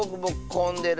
こんでる？